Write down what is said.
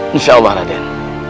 insya allah raden